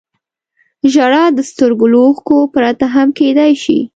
• ژړا د سترګو له اوښکو پرته هم کېدای شي.